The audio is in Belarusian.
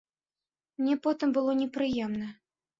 Мне потым было непрыемна.